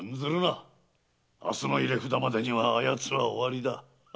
明日の入札までにはあ奴は終わりだ。